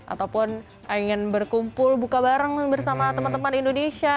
ataupun ingin berkumpul buka bareng bersama teman teman indonesia